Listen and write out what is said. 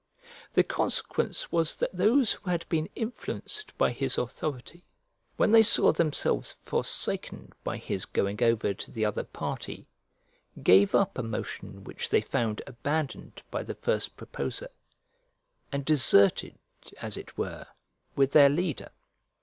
The consequence was that those who had been influenced by his authority, when they saw themselves forsaken by his going over to the other party, gave up a motion which they found abandoned by the first proposer, and deserted, as it were, with their leader.